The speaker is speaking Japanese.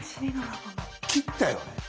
切ったよね？